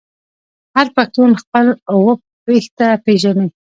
هر پښتون خپل اوه پيښته پیژني.